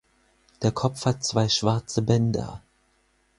Der Kopf hat zwei schwarze Bänder.